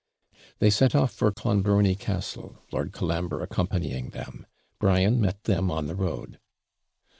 They set off for Clonbrony Castle, Lord Colambre accompanying them. Brian met them on the road.